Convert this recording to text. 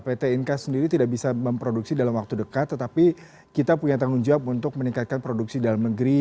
pt inka sendiri tidak bisa memproduksi dalam waktu dekat tetapi kita punya tanggung jawab untuk meningkatkan produksi dalam negeri